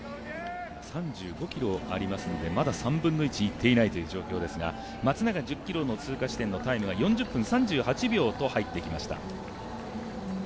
３５ｋｍありますので、まだ３分の１いっていない状況ですが松永１０ｋｍの通過地点のタイムが４０分３８秒と入ってきました。